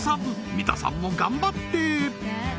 三田さんも頑張って！